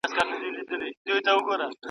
ما به د سترگو کټوري کې نه ساتلې اوبه